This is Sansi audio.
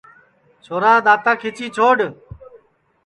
چھورا دؔاتا کیچی چھوڈؔ